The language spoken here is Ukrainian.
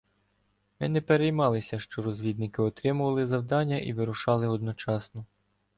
Ми не переймалися, що розвідники отримували завдання і вирушали одночасно.